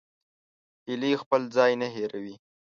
هیلۍ خپل ځای نه هېروي